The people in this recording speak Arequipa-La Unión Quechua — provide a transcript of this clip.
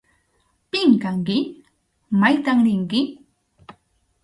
¿Pim kanki? ¿Maytam rinki?